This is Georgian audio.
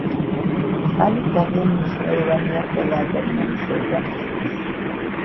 წყალი ძალიან მნიშვნელოვანია ყველა ადამიანის ორგანოსთვის